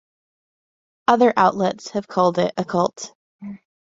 Other outlets have called it a cult.